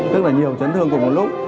tức là nhiều chấn thương cùng một lúc